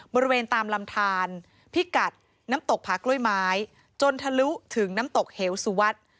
บริเวณตามลำทานพิกัดน้ำตกผากล้วยไม้จนทะลุถึงน้ำตกเหวสุวัสดิ์